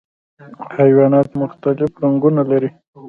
حیوانات مختلف رنګونه لري.